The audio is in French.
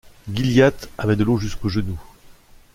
Gilliatt avait de l’eau jusqu’aux genoux.